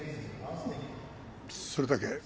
それだけ。